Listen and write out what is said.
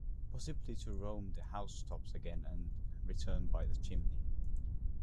Possibly to roam the house-tops again and return by the chimney.